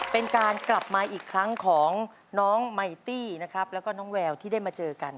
เป็นการกลับมาอีกครั้งของน้องไมตี้นะครับแล้วก็น้องแววที่ได้มาเจอกัน